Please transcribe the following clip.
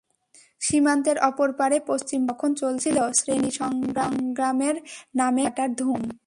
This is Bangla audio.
সীমান্তের অপর পারে পশ্চিমবঙ্গে তখন চলছিল শ্রেণিসংগ্রামের নামে গলা কাটার ধুম।